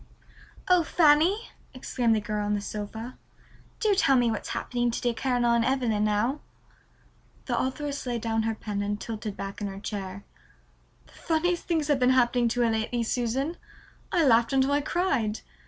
"Oh, Fanny," exclaimed the girl on the sofa, "do tell me what's happening to dear Caroline Evelyn now." The authoress laid down her pen and tilted back in her chair. "The funniest things have been happening to her lately, Susan. I laughed until I cried.